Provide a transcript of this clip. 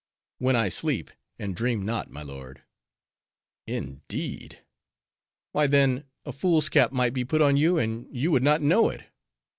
"When I sleep, and dream not, my lord." "Indeed?" "Why then, a fool's cap might be put on you, and you would not know it."